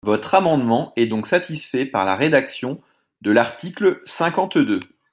Votre amendement est donc satisfait par la rédaction de l’article cinquante-deux.